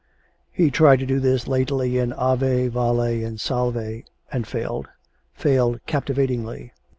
He tried to do this lately in "Ave," "Vale," and "Salve," and failed failed captivatingly.